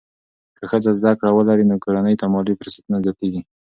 که ښځه زده کړه ولري، نو کورنۍ ته مالي فرصتونه زیاتېږي.